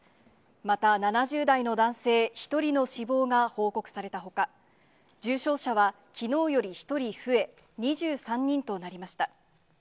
また７０代の男性１人の死亡が報告されたほか、重症者はきのうより１人増え、２３人となりました。